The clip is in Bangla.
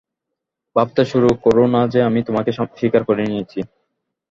ভাবতে শুরু কোরো না যে আমি তোমাকে স্বীকার করে নিয়েছি!